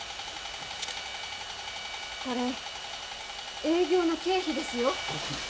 これ営業の経費ですよ。